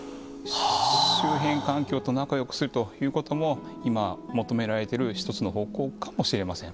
周辺環境と仲よくするということも今求められている１つの方向かもしれません。